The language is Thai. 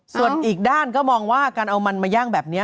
ส่วนอีกด้านก็มองว่าการเอามันมาย่างแบบนี้